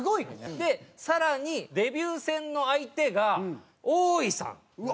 で更にデビュー戦の相手が多井さん。